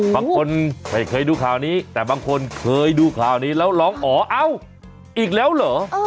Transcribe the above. บางคนไม่เคยดูข่าวนี้แต่บางคนเคยดูข่าวนี้แล้วร้องอ๋อเอ้าอีกแล้วเหรอ